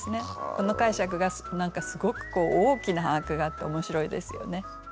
この解釈が何かすごく大きな把握があって面白いですよね。